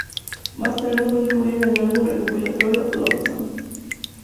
Más tarde fue incluida en el álbum recopilatorio "Love Songs".